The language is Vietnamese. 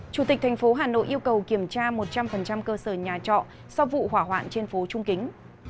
chủ tịch thành phố hà nội yêu cầu kiểm tra một trăm linh cơ sở nhà trọ sau vụ hỏa hoạn trên phố trung kính